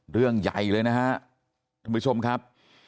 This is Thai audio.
เรื่องใหญ่เลยนะฮะท่านผู้ชมครับ